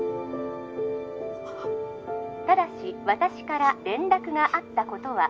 ☎ただし私から連絡があったことは